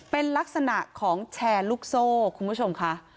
เป็นลักษณะของแชร์ลูกโซ่คุณผู้ชมค่ะ